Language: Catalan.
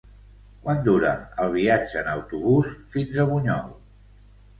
Quant dura el viatge en autobús fins a Bunyol?